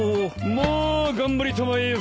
ま頑張りたまえ